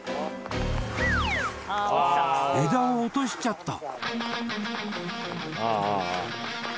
［枝を落としちゃった］